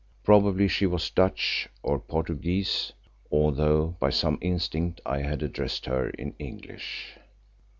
Probably she was Dutch, or Portuguese, although by some instinct I had addressed her in English.